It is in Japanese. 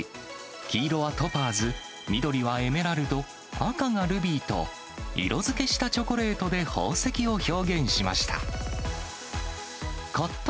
黄色はトパーズ、緑はエメラルド、赤がルビーと、色づけしたチョコレートで宝石を表現しました。